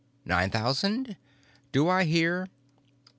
Nine thousand? Do I hear——?"